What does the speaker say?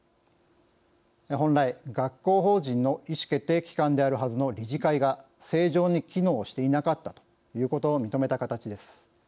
本来、学校法人の意思決定機関であるはずの理事会が正常に機能していなかったということを認めた形です。